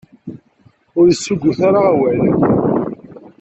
Ur yessuggut ara awal.